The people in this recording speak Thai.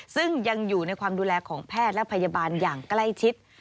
ซึ่งยังอยู่ในความดูแลของแพทย์และพยาบาลอย่างใกล้ชิด